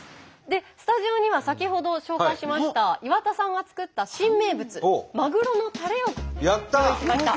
スタジオには先ほど紹介しました岩田さんが作った新名物まぐろのたれをやった！ご用意しました。